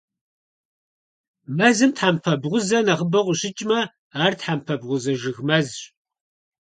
Мэзым тхьэмпэ бгъузэ нэхъыбэу къыщыкӀмэ - ар тхьэмпэ бгъузэ жыг мэзщ.